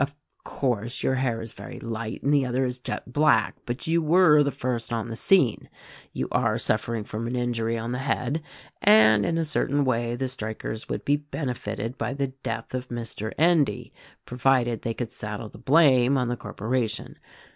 Of course, your hair is very light and the other is jet black ; but you were the first on the scene; you are suffering from an injury on the head; and in a certain way the strikers would be benefited by the death of Mr. Endy — provided they could saddle the blame on the corporation.